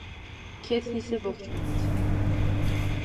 Քեթնիսը ողջ մնաց։